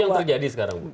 itu yang terjadi sekarang